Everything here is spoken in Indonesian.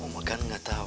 umat kan gak tau